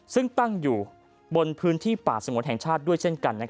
ซึ่งตั้งอยู่บนพื้นที่ป่าสงวนแห่งชาติด้วยเช่นกัน